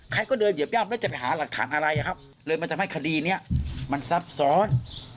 ใครก็เดินเหยียบย่ำแล้วจะไปหาหลักฐานอะไรครับเลยมันทำให้คดีนี้มันซับซ้อน